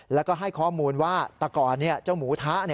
แล้วก็ให้ข้อมูลว่าแต่ก่อนเจ้าหมูทะ